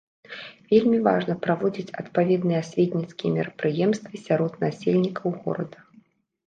Вельмі важна праводзіць адпаведныя асветніцкія мерапрыемствы сярод насельнікаў горада.